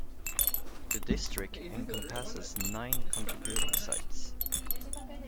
The district encompasses nine contributing sites.